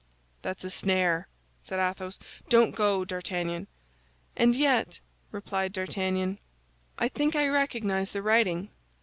"That's a snare," said Athos; "don't go, D'Artagnan." "And yet," replied D'Artagnan, "I think I recognize the writing."